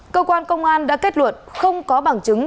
cơ quan công an đã kết luận không có bằng chứng